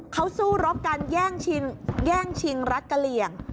เขาสู้รบการแย่งชิงแย่งชิงรัฐกะเหลี่ยง